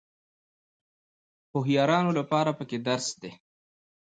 د هوښیارانو لپاره پکې درس دی.